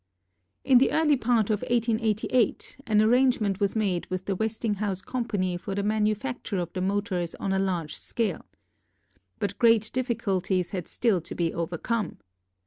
In the early part of 1888 an arrangement was made with the Westinghouse Company for the manufacture of the motors on a large scale. But great difficulties had still to be overcome.